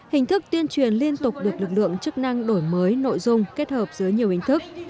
hình thức tuyên truyền liên tục được lực lượng chức năng đổi mới nội dung kết hợp dưới nhiều hình thức